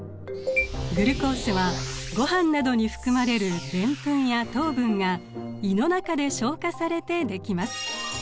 グルコースはごはんなどに含まれるデンプンや糖分が胃の中で消化されて出来ます。